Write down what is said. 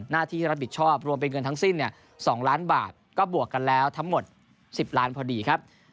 หน้าที่รับผิดชอบรวมเป็นเงินทั้งสิ้น๒ล้านบาทก็บวกกันแล้วทั้งหมด๑๐ล้านพอดีครับ